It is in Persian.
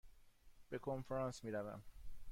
به کنفرانس می روم.